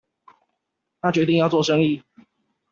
他決定要做生意